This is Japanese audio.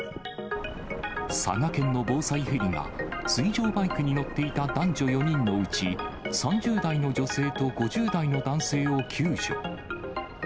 佐賀県の防災ヘリが、水上バイクに乗っていた男女４人のうち、３０代の女性と５０代の男性を救助。